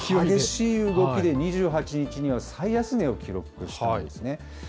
激しい動きで、２８日には最安値を記録してるんですね。